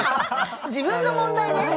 自分の問題で？